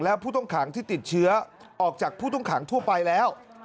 และผู้ต้องขังที่ติดเชื้อออกจากผู้ต้องขังทั่วไปแล้ว